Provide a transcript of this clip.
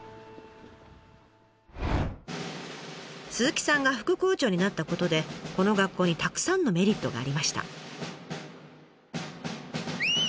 鈴木さんが副校長になったことでこの学校にたくさんのメリットがありました。